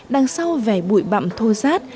đằng sau vẻ bụi bặm thô giát